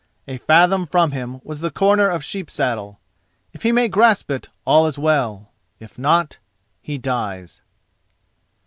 A fathom from him was the corner of Sheep saddle. If he may grasp it, all is well; if not, he dies.